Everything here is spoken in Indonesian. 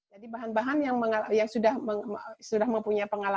jadi bahan bahan yang sudah mempunyai pengalaman